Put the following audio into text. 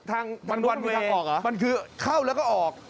มันรู้มันมีทางออกเหรอมันคือเข้าแล้วก็ออก